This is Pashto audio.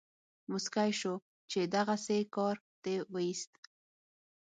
موسکی شو چې دغسې کار دې وایست.